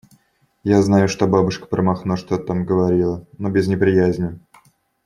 Я знаю, что бабушка про Махно что-то там говорила, но без неприязни.